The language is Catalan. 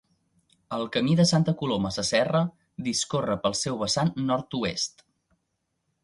El Camí de Santa Coloma Sasserra discorre pel seu vessant nord-oest.